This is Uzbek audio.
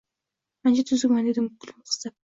– Ancha tuzukman, – dedim kulgim qistab